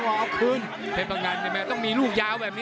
โบเตอร์มานั่งดูอยู่ด้วย